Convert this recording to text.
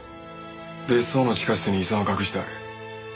別荘の地下室に遺産は隠してある。